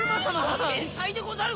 天才でござる！